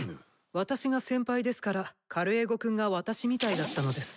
私が先輩ですからカルエゴくんが私みたいだったのです。